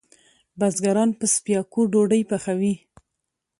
بزګران په څپیاکو ډوډئ پخوی